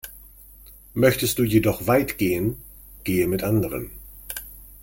Möchtest du jedoch weit gehen, gehe mit anderen.